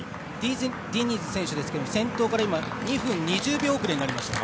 ディニズ選手ですが先頭から今２分２０秒遅れになりました。